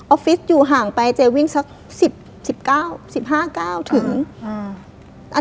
ฟิศอยู่ห่างไปเจวิ่งสักสิบสิบเก้าสิบห้าเก้าถึงอืม